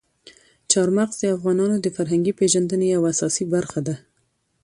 چار مغز د افغانانو د فرهنګي پیژندنې یوه اساسي برخه ده.